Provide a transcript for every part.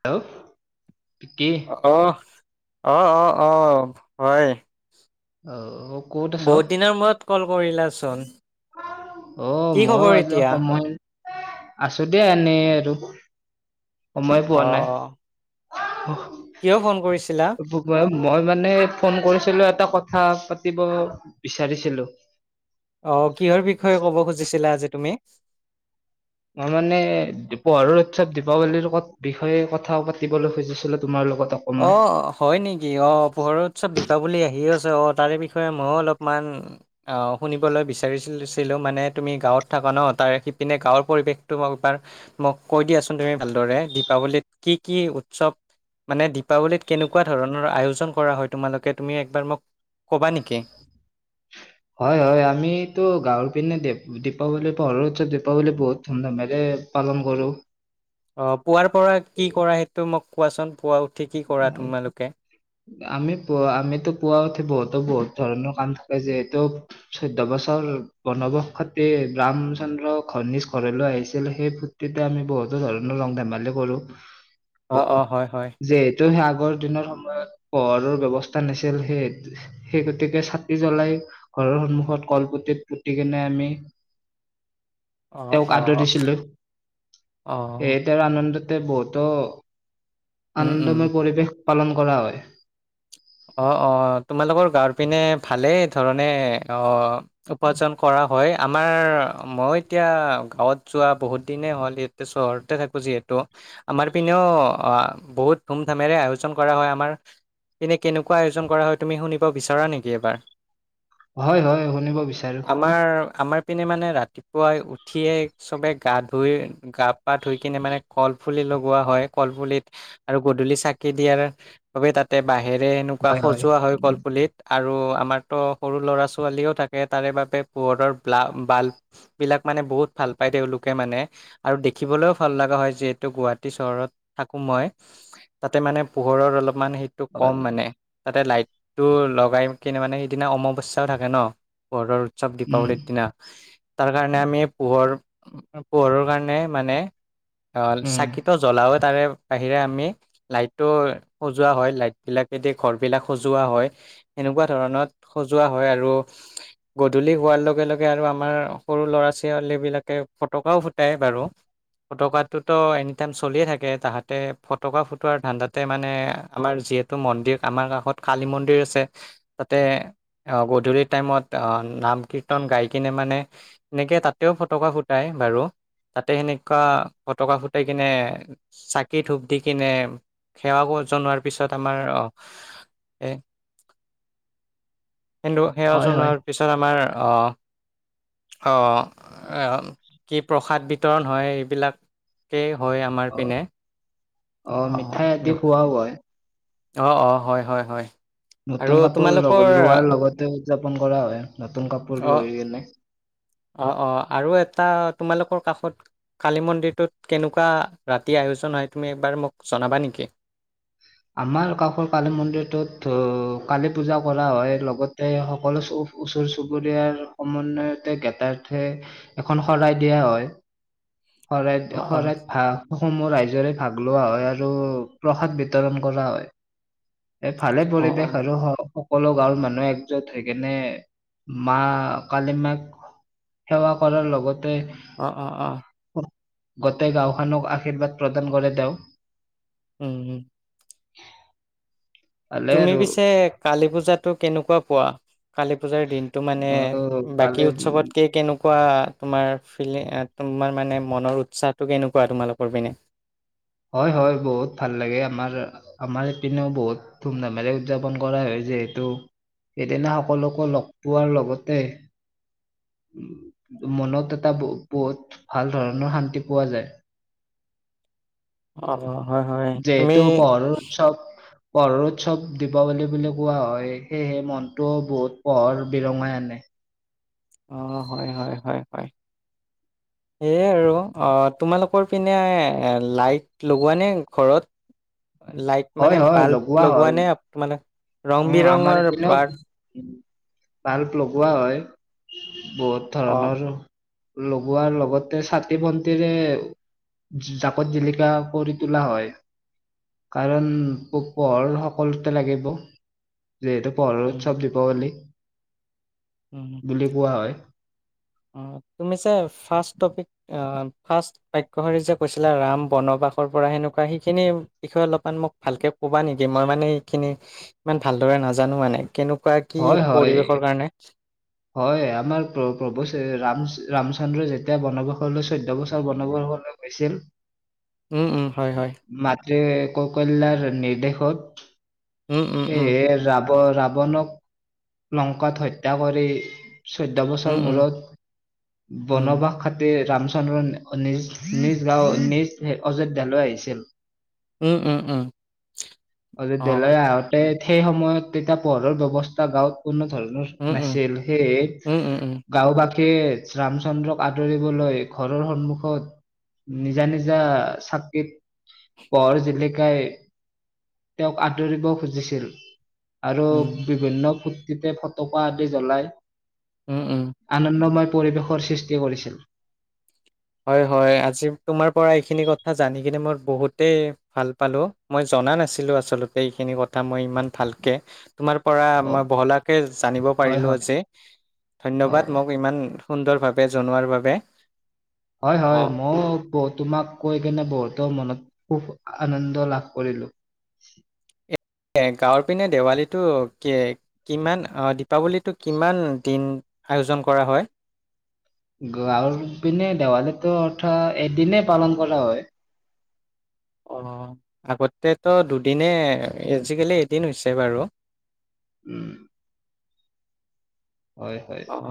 Hello আহ-আহ-অহ-আহ হয়। অ ক'ত আছ বহুত দিনৰ মূৰত কল কৰিলা। চন অ মই আজি সময় আছো দে এনেই আৰু, সময় পোৱা অ নাই। উ [inaudible] কিয় ফোন কৰিছিলা। মই মানে ফোন কৰিছিলো, এটা কথা পাতিব বিচাৰিছিলো। অ কিহৰ বিষয়ে ক'ব খুজিছিলা আজি তুমি অ মানে পহাৰৰ, [inaudible] দীপাৱলীৰ লগত বিষয়ে কথা পাতিলৈ খুজিছিলো তোমালোকত অ হয় নেকি অ পোহৰ উৎচৱ দীপাৱলী আহি আছ অ তাৰে বিষয়ে ময়ো অলপমান অ শুনিবলৈ বিচাৰিছিল। ছিলো মানে তুমি গাঁৱত থাকা ন তাৰ সিপিনে গাঁৱৰ পৰিৱেশটো মোক এবাৰ মোক কৈ দিয়াচোন তুমি ভালদৰে দীপাৱলীত কি-কি উৎসৱ মানে দীপাৱলীত কেনেকুৱা ধৰণৰ আয়োজন কৰা হয়। তোমালোকে তুমি একবাৰ মোক ক'বা নেকি? হয়-হয় আমিতো গাঁৱৰ পিনে দীপাৱলী পোৰৰ উৎৰত দীপাৱলী বহুত ধুমধামেৰে পালন কৰো। অ পুৱোৱাৰ পৰা কি কৰা সেইটো মোক, কোৱাচোন পোৱা উঠ ঠিক কি কৰা তোমালোকে। আমি পুৱ আমিতো পুৱা উঠি বহুতো বহুত ধৰণৰ কাম থাকে। যিহেতু চৈধ্য় বছৰ বনবসতে ৰামচন্দ্ৰ ঘনিজ ঘৰলৈ আহিছিল। সেই ফূৰ্তিতে আমি বহুতো ধৰণৰ ৰং ধেমালি কৰো। অ যে ত সে আগৰ দিনৰ সময়ত, পোহৰৰ ব্যৱস্থা নাছিল, সেই সেই গতিকে চাকি জ্বলাই ঘৰৰ সন্মুখত কলপুতিত পুতি কিনে আমি অ তেওঁক অ আদৰিছিলো, অ সেয়ে তেওঁৰ আনন্দত টে বহুতো উম উম আনন্দময় পৰিৱেশ, পালন কৰা হয়। অ-অ তোমালোকৰ গাৰ পিনে ভালেই ধৰণে অ উপাৰ্জন কৰা হয়। আমাৰ মই এতিয়া গাঁৱত যোৱা বহুত দিনেই হ'ল ইয়াতে চহৰতে থাকোঁ, যিহেতু আমাৰপিনে অ বহুত ধুমধামেৰে আয়োজন কৰা হয়। আমাৰ এনে কেনেকুৱা আয়োজন কৰা হয়। তুমি শুনিব বিচাৰা নেকি এবাৰ? হয়-হয় শুনিব বিচাৰো। আমাৰ আমাৰ পিনে মানে ৰাতিপুৱাই উঠিয়ে চবে গা ধুই গা পা ধুই কিনে মানে কল পুলি লগোৱা হয়, কল পুলিত আৰু গধলি চাকি দিয়াৰ বাবে তাতে বাঁহেৰে এনেকুৱা হয় সজোৱা হয়, উম কলপুলিত আৰু আমাৰতো সৰু ল'ৰা ছোৱালীও থাকে। তাৰে বাবে পোহৰৰ [unintelligible] বালবিলাক মানে বহুত ভাল পায়, তেওঁলোকে মানে আৰু দেখিবলৈও ভাল লগা হয় যিহেতু গুৱাহাটী চহৰত থাকোঁ মই তাতে মানে পোহৰৰ অলপমান হয় কম মানে, তাতে লাইটটো লগাই কিনে মানে সেইদিনা অমাৱস্যাও থাকে ন ঘৰৰ চব উম দীপাৱলীৰ দিনা তাৰ কাৰণে উম, আমি পোহৰ পোহৰৰ কাৰণে মানে অ চাকিত জ্বলাৱত তাৰে বাহিৰে আমি লাইটটো সজোৱা হয়। লাইট বিলাকেদি ঘৰ বিলাক সজোৱা হয়, এনেকুৱা ধৰণত সজোৱা হয়, আৰু গধূলি হোৱাৰ লগে-লগে আৰু আম আমাৰ সৰু ল'ৰা-ছোৱালীবিলাকে ফটকাও ফুটাই বাৰু ফটকাটোতো এনিটাইম চলিয়ে থাকে তাহাঁতে ফটকা ফুটোৱাৰ ধানদাতে মানে আমাৰ যীয়েত টো মন্দিৰ আমাৰ কাষত কালী মন্দিৰ আছে। তাতে গধূলি টাইমত নাম কীৰ্তন গাই কিনে মানে সেনেকৈ তাতেও ফটকা ফুটাই বাৰু তাতে সেনেকুৱা ফটকা ফুটাই কিনে চাকি ধূপ দি কিনে সেৱা জনোৱাৰ পিছত আমাৰ অ কিন্তু সেৱ হয় হয়। জনাৰ পিছত আমাৰ অ অ', অ ', এ, কি প্ৰসাদ বিতৰণ হয় এইবিলা কেই হয় আমাৰ অ, পিনে অ', মিঠাই অ আদি খোৱাও হয়। অ', অ', হয়, হয়, হয়। আৰু নতুন কাপোৰ লগ তোমালোকৰ লোৱাৰ লগতে উদযাপন কৰা হয়, নতুন কাপোৰ অ', লৈ কিনে অ', অ', আৰু এটা তোমালোকৰ কাষত কালী মন্দিৰটোত কেনেকুৱা ৰাতি আয়োজন হয় তুমি এবাৰ মোক জনাবা নেকি? আমাৰ কাষৰ কালী মন্দিৰটোত কালী পূজা কৰা হয়, লগতে সকলো চো ওচৰ চুবুৰীয়াৰ সমন্বয়তে গেটাৰ্থে এখন শৰাই দিয়া হয় শৰাইত অ', অ', শৰাইত ভা সমূহ ৰাইজৰে ভাগ লোৱা হয় আৰু প্ৰসাদ বি বিতৰণ কৰা হয়। এ, ভালে অ', পৰিৱেশ অ', আৰু হয় অ সকলো গাঁৱৰ মানুহে একজোট হৈ কেনে মা কালি মাক সেৱা কৰাৰ লগত তে অ', অ', অ', গোটেই গাঁওখনক আশীৰ্বাদ প্ৰদান কৰে তেওঁ। উম', উম'। [inaudible] তুমি আৰু পিছে কালী পূজাটো কেনেকুৱা পোৱা, কালী পূজাৰ দিনটো মানে অ কালি বাকী উম, উৎসৱতকে কেনে কুৱা তোমাৰ ফিলিঙ এ, তোমাৰ মানে মনৰ উৎসাহটো কেনেকুৱা, তোমালোকৰ পিনে। হয়, হয়, বহুত ভাল লাগে আমাৰ, আমাৰ ইপিনেও বহুত ধুম ধামেৰে উদযাপন কৰা হয় যিহেতু, সেইদিনা সকলোকো লগ পোৱাৰ লগতে মনত এটা ব বৌত ভাল ধৰণৰ শান্তি পোৱা যায়। অ', অ'। যিহেতু পহৰৰ উৎসৱ পহৰৰ উৎসৱ দীপাৱলী বুলি কোৱা হয়, সেয়েহে মনটো বহুত পহৰ বিৰঙাই আনে। অ', হয়, হয়, হয়, হয়, সেয়াই আৰু অ', তোমালোকৰ পিনে লাইট লগোৱানে ঘৰত। লাইট হয় মানে হয় বাল্ব লগোৱা হয় নে মানে ৰং উম আমাৰ বিৰঙৰ প্ৰাত ইপিনেও বাল্ব লগোৱা হয়। বহুত অ ধৰণৰ। লগোৱাৰ লগতে চাকি বন্তিৰে জাকত জিলিকা কৰি তোলা হয় কাৰণ পো পোহৰ সকলোতে লাগিব যিহেতু পহৰৰ উম উৎসৱ দীপাৱলী উম বুলি কোৱা হয়। তুমি যে ফাষ্ট টপিক অ, ফাষ্ট বাক্যশাৰী যে কৈছিলা ৰাম বনবাসৰ পৰা সেনেকুৱা সেইখিনি বিষয়ে অলপমান মোক ভালকে ক'বা নেকি, মই মানে এইখিনি ইমান ভালদৰে নাজানো মানে কেনে কুৱা কি হয় হয় পৰিৱেশৰ কাৰণে হয় আমাৰ প্ৰ প্ৰভু ৰাম ৰামচন্দ্ৰ যেতিয়া বনবসলৈ চৈধ্য় বছৰ বনবসলৈ গৈছিল। উম-উম হয়-হয় যে ককলললাৰ নিৰ্দেশক উম উম উম সেই যাব ৰাৱণক লংকাত হত্যা কৰি চৈধ্য় উম বছৰ উম মূৰত বনবাস উম খাতে ৰাম চন্দ্ৰ নিজ-নিজ গাঁও নিজ অযোধ্যালৈ আহিছিল। উম উম উম অ দলে আগতে সেই সময়ত তেতিয়া পোৰৰ ব্যয়ৱস্থা গাঁত পৰ্ণ থল উম উম নাছিল সেই উম উম উম গাঁও বী কে ৰামচন্দ্ৰক আদৰিবলৈ ঘৰৰ সন্মুখত নিজা নিজা চাকিত পহৰ জিলিকাই তেওঁক আদৰিব খুজিছিল। আৰু উম বিভিন্ন ফূৰ্তিতে ফটকা আদি জ্বলাই উম, উম, আনন্দময় পৰিৱেশৰ সৃষ্টি কৰিছিল। হয়-হয় আজি তোমাৰ পৰা এইখিনি কথা তথা জানি কিনে মই বহুতেই ভাল পালোঁ মই জনা নাছিলোঁ আচলতে এইখিনি কথা মই ইমান ভালকৈ। তোমাৰ পৰা অ মই বহলাকৈ জানিব হয় হয় পাৰিলোঁজি ধন্যবাদ অ মোক ইমান সুন্দৰভাৱে জনোৱাৰ বাবে হয়-হয় অ', মই ব তোমাক কৈ কেনে বহুতো মনত খুব আনন্দ লাভ কৰিলো। গাঁৱৰ পিনে দেৱালীটো কিমান দীপাৱলীটো কিমান দিন আয়োজন কৰা হয়। গাঁৱৰ দিনে দেৱালীটো অৰ্থা এদিনেই পালন কৰা হয়। অ আগতেতো দুদিনে আজিকালি এদিন হৈছে, বাৰু উম হয়-হয় অ',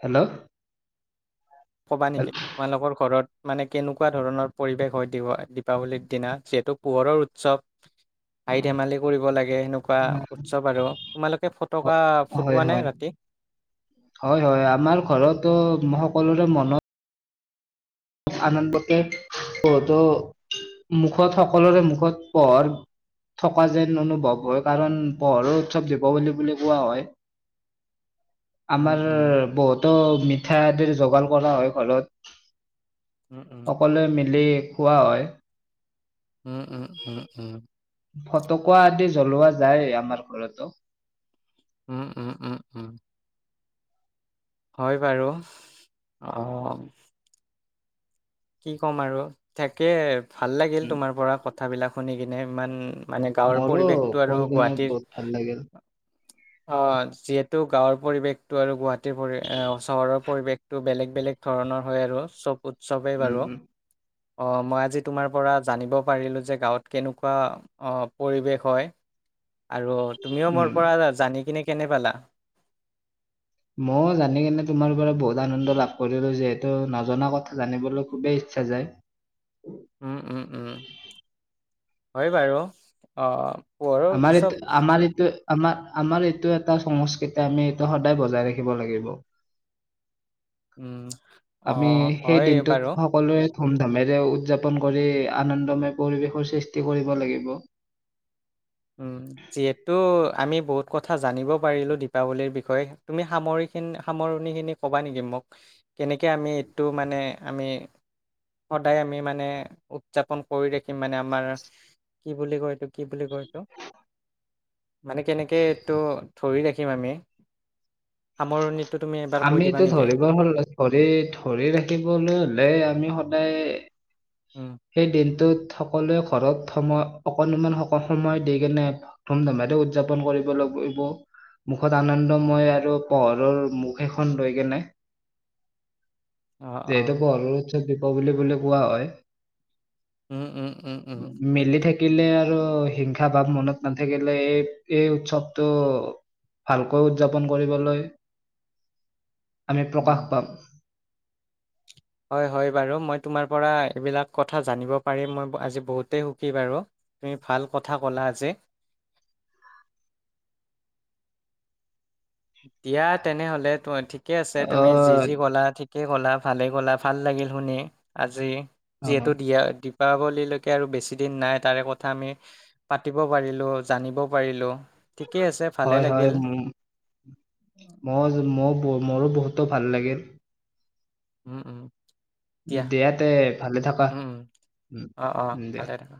হেল্ল'। কবা নেকি হেল্ল'? তোমালোকৰ ঘৰত। মানে কেনেকুৱা ধৰণৰ পৰিৱেশ হয় দীপাৱলীৰ দিনা যিহেতু পোহৰৰ উৎসৱ। হাঁহি ধেমালি কৰিব লাগে, সেনেকুৱা উৎসৱ আৰু তোমালোকে ফটকা হয় ফুটোৱা নে হয় ৰাতি। [inaudible] হয় হয় আমাৰ ঘৰতো মনত। আনন্দক বহুতো মুখত সকলোৰে মুখত পোহৰ থকা যেন অনুভৱ হয়, কাৰণ পোহৰো উৎসৱ দীপৱলী বুলি কোৱা হয়। উম আমাৰ উম বহুতো মি। ঠা আদিৰ যোগান কৰা হয় ঘৰত। উম উম সকলোৱে মিলি খোৱা হয়। উম উম উম উম ফটকা আদি জ্বলোৱা যায়, ‌ আমাৰ ঘৰতো। উম-উম-উম-উম। হয় বাৰু অহ। কি ক'ম আৰু থাকে। ভাল লাগিল উম, তোমাৰ পৰা ক। কথাবিলাক শুনি কিনে ইমান। মানে গাঁৱৰ মোৰো পৰিৱেশটো আৰু কৈ কিনে গুৱাহাটীৰ। বহুত ভাল লাগিল। অ যিহেতু গাঁৱৰ পৰিৱেশতটো আৰু গুৱাহাটী। চহৰৰ পৰিৱেশ। টো বেলেগ-বেলেগ ধৰণৰ হয় আৰু চব উস। উম-উম। মই আজি তোমাৰ পৰা জানিব পাৰিলোঁ যে গাঁৱত কেনেকুৱা অ পৰিৱেশ হয়। আৰু তুমিও মোৰ উম। পৰা জানি কিনে কেনে পালা। মই জানি কেনে তোমাৰ পৰা বহুত আনন্দ লাভ কৰিলো। যিহেতু নজনা কথা জানিবলৈ খুবেই ইচ্ছা যায়। উম-উম-উম হয় বাৰু অহ। আমাৰ এতে আমাৰ এতে। আমাৰ-আমাৰ এইটো এটা সংস্কৃতি আমি এইটো সদায় বজাই ৰাখিব লাগিব। উম অ হয় বাৰু। ধুমধামেৰে উদযাপন কৰি আনন্দময় পৰিৱেশৰ সৃষ্টি কৰিব লাগিব। উম যিহেতু আমি বহুত কথা জানিব পাৰিলোঁ, দীপাৱলীৰ বিষয়ে তুমি সামৰিন সামৰণিখিনি ক'বা নেকি মোক। কেনেকৈ আমি এইটো মানে। আমি সদায় আমি মানে উদযাপন কৰি ৰাখিম মানে আমাৰ কি বুলি কয়, এইটো। কি বুলি কয়। মানে কেনেকেটো ধৰি ৰাখি। খিম আমি। সামৰণিটো তুমি এবাৰ কৈ দিবা নেকি? [unintelligible] উম, সেই দিনটোত সকলোৱে ঘৰত সময় অকনমান স'ক সময় দি কেনে ধুমধামেৰে উদযাপন কৰিব লাগিব। মুখত আনন্দময় আৰু পোহৰৰ মুখ এখন লৈ কেনে অ', যিহেতু অ', পৰ [unintelligible] দীপাৱলী বুলি কোৱা হয়। উম-উম-উম-উম-উ কিলে আৰু হিংসা ভাৱ মনত নাথাকিলে। এই এই উৎসৱটো ভালকৈ উদযাপন কৰিবলৈ আমি প্ৰকাশ পাম হয়-হয় বাৰু মই তোমাৰ পৰা এইবিলাক কথা জানিব পাৰি মই ব আজি বহুতে সুখী বাৰু তুমি ভাল কথা ক'লা আজি। দিয়া তেনেহলে তম ঠিকে আছে তুমি যি-যি আহ ক কলা- কেই ক'লা ভালেই ক'লা ভাল লাগিল শুনি আজি যিহেতু অ দিয়া দী- পাৱলী লৈকে আৰু বেছিদিন নাই তাৰে কথা আমি পাতিব পাৰিলোঁ জানিব পাৰিলোঁ। ঠিকেই আছে ভালে হয়-হয় লাগিল। উম মই [unintelligible] ব মোৰো বহুতো ভাল লাগিল। উম-উম দিয়া তে ভালে থাকা উম, উম, অ', অ', উম দিয়া। ভালে থাকা।